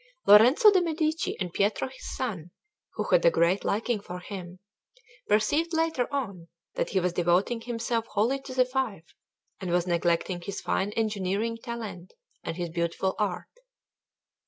Lorenzo de' Medici and Pietro his son, who had a great liking for him, perceived later on that he was devoting himself wholly to the fife, and was neglecting his fine engineering talent and his beautiful art.